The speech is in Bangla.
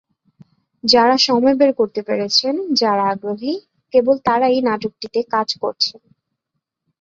যাঁরা সময় বের করতে পেরেছেন, যাঁরা আগ্রহী, কেবল তাঁরাই নাটকটিতে কাজ করছেন।